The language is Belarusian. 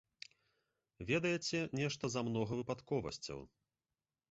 Ведаеце, нешта замнога выпадковасцяў.